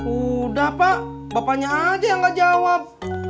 udah pak bapaknya aja yang gak jawab